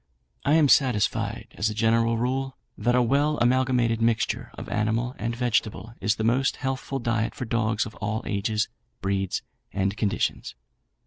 "I am satisfied as a general rule, that a well amalgamated mixture of animal and vegetable is the most healthful diet for dogs of all ages, breeds, and conditions.